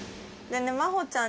麻帆ちゃん